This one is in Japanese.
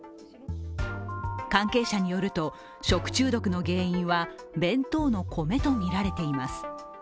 関係者によると、食中毒の原因は弁当の米とみられています。